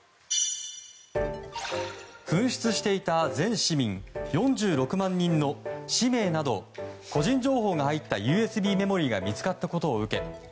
紛失していた全市民４６万人の氏名など個人情報が入ったＵＳＢメモリーが見つかったことを受け